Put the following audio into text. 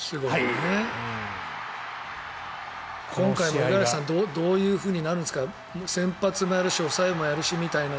今回も五十嵐さんどうなるんですか先発もやるし抑えもやるしみたいな。